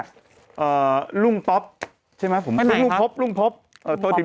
อ่าลุ้งป๊อบใช่ไหม